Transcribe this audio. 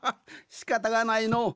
しかたがないのう。